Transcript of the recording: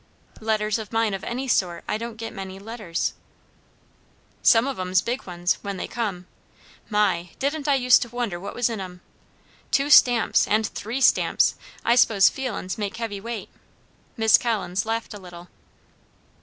"Letters of mine of any sort. I don't get many letters." "Some of 'em's big ones, when they come, My! didn't I use to wonder what was in 'em! Two stamps, and three stamps. I s'pose feelin's makes heavy weight." Miss Collins laughed a little.